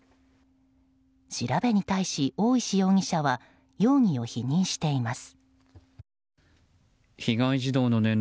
調べに対し、大石容疑者は容疑を否認しています。